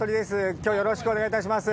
今日よろしくお願いいたします。